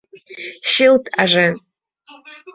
Чылт ажен...